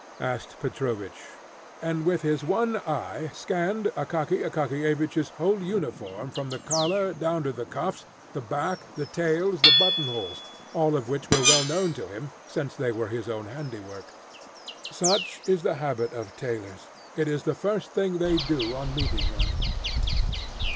asked Petrovich, and with his one eye scanned Akaky Akakiyevich's whole uniform from the collar down to the cuffs, the back, the tails and the button holes, all of which were well known to him, since they were his own handiwork. Such is the habit of tailors; it is the first thing they do on meeting one.